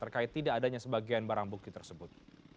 terkait tidak adanya sebagian barang bukti tersebut